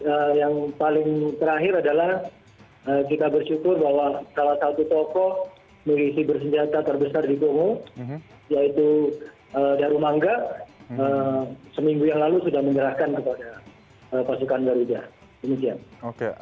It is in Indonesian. salah satu tokoh milisi bersenjata terbesar di kongo yaitu daru mangga seminggu yang lalu sudah menyerahkan kepada pasukan daru jah